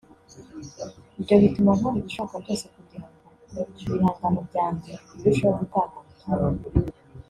ibyo bituma nkora ibishoboka byose kugira ngo ibihangano byanjye birusheho gutanga ubutumwa